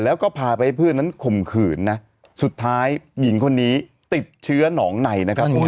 แล้วก็พาไปให้เพื่อนนั้นข่มขืนนะสุดท้ายหญิงคนนี้ติดเชื้อหนองในนะครับ